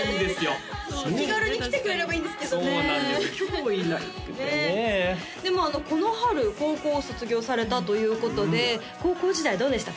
気軽に来てくれればいいんですけどねそうなんです今日いなくてねでもこの春高校を卒業されたということで高校時代どうでした？